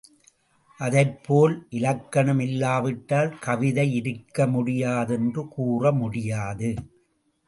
அதைப் போல் இலக்கணம் இல்லாவிட்டால், கவிதை இருக்க முடியாதென்று கூற முடியாது.